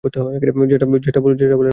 যেটা বলেন মহারানী জি।